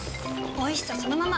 おいしさそのまま。